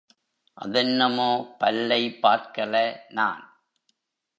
அதென்னமோ பல்லை பார்க்கலை நான்.